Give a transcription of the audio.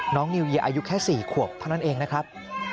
นิวเยียอายุแค่๔ขวบเท่านั้นเองนะครับ